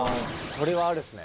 それはあるっすね。